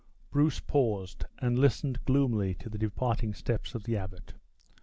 Bruce paused, and listened gloomily to the departing steps of the abbot.